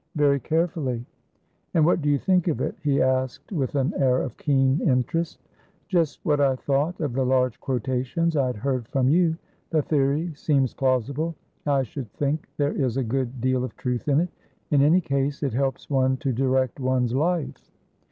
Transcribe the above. "Very carefully." "And what do you think of it?" he asked, with an air of keen interest. "Just what I thought of the large quotations I had heard from you. The theory seems plausible; I should think there is a good deal of truth in it. In any case, it helps one to direct one's life."